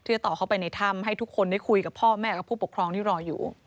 จะต่อเข้าไปในถ้ำให้ทุกคนได้คุยกับพ่อแม่กับผู้ปกครองที่รออยู่